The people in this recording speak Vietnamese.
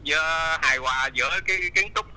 hài hòa giữa kiến trúc